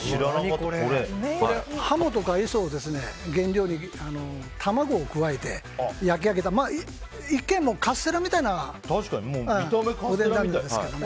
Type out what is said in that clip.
ハモとかを原料に卵を加えて焼き上げた一見、カステラみたいなおでんなんですけどね。